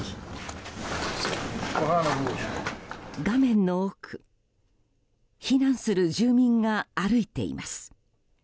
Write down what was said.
画面の奥避難する住民が歩いています。